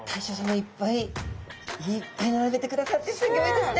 いっぱい並べてくださってすギョいですね。